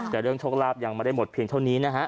แต่เรื่องโชคลาภยังไม่ได้หมดเพียงเท่านี้นะฮะ